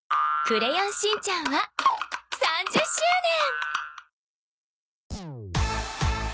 『クレヨンしんちゃん』は３０周年。